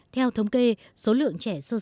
theo thống kê số lượng trẻ sơ sơ